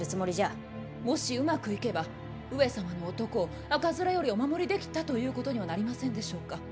もしうまくいけば上様の男を赤面よりお守りできたということにはなりませんでしょうか。